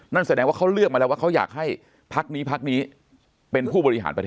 นั่นแสดงว่าเขาเลือกมาแล้วว่าเขาอยากให้พักนี้พักนี้เป็นผู้บริหารประเทศ